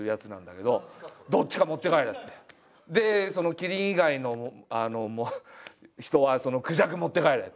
「キリン以外の人はクジャク持って帰れ」って。